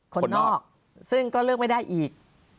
คนนอกซึ่งก็เลือกไม่ได้อีก